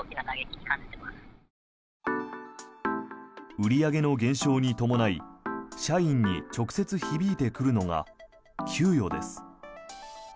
売り上げの減少に伴い社員に直接響いてくるのが給与です。